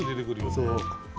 そう。